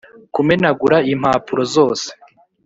kumenagura impapuro zose